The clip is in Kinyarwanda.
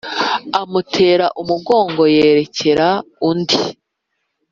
Amutera umugongo yerekera undi